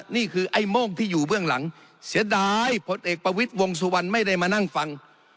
นี่คือไอ้โม่งที่อยู่เบื้องหลังเสียดายผลเอกประวิทย์วงสุวรรณไม่ได้มานั่งฟัง